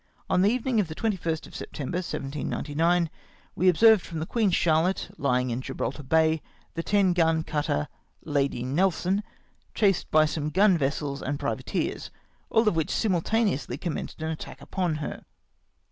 On the evening of the 21st of September, 1799, we observed from the Queen Charlotte, lying in Gibraltar Bay, the 10 gun cutter Lady Nelson, chased by some gun vessels and privateers, all of which simultaneously commenced an attack upon her.